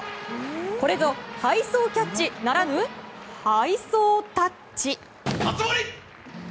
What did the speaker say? これぞ、背走キャッチならぬ背走タッチ。